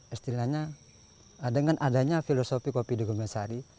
istilahnya dengan adanya filosofi kopi di gombayasari